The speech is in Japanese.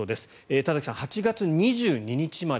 田崎さん、８月２２日まで。